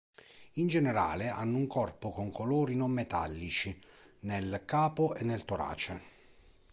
In generale hanno un corpo con colori non metallici nel capo e nel torace.